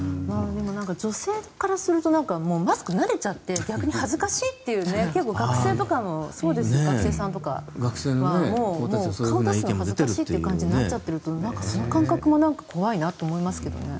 女性からするとマスクに慣れちゃって逆に恥ずかしいという結構、学生さんとかもう顔を出すのが恥ずかしいという感じになっちゃってその感覚も怖いなと思いますけどね。